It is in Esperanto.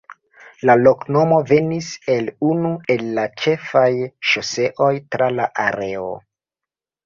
La loknomo venis el unu el la ĉefaj ŝoseoj tra la areo.